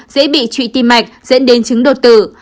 dễ bị trụi tim mạch dẫn đến trứng đột tử